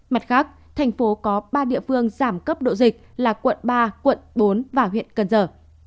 mặt khác thành phố có ba địa phương giảm cấp độ dịch là quận ba quận bốn và huyện cần giờ